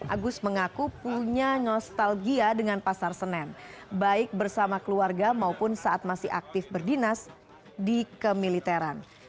agus mengaku punya nostalgia dengan pasar senen baik bersama keluarga maupun saat masih aktif berdinas di kemiliteran